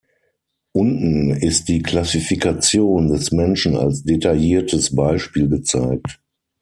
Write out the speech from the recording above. Unten ist die Klassifikation des Menschen als detailliertes Beispiel gezeigt.